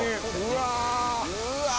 うわ！